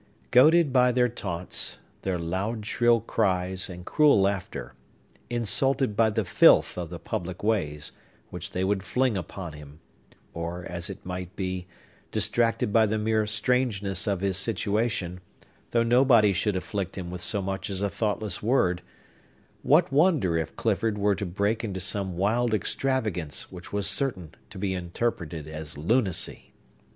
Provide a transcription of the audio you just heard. Goaded by their taunts, their loud, shrill cries, and cruel laughter,—insulted by the filth of the public ways, which they would fling upon him,—or, as it might well be, distracted by the mere strangeness of his situation, though nobody should afflict him with so much as a thoughtless word,—what wonder if Clifford were to break into some wild extravagance which was certain to be interpreted as lunacy?